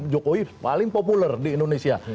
jokowi paling populer di indonesia